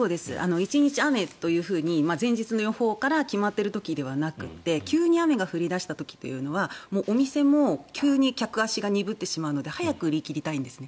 １日雨と前日の予報から決まっている時ではなくて急に雨が降り出した時というのはお店も急に客足が鈍ってしまうので早く売り切りたいんですね。